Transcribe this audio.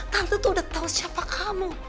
tante tuh udah tahu siapa kamu